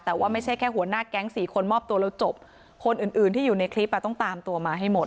แต่ว่าไม่ใช่แค่หัวหน้าแก๊งสี่คนมอบตัวแล้วจบคนอื่นที่อยู่ในคลิปอ่ะต้องตามตัวมาให้หมด